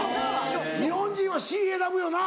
日本人はＣ選ぶよな。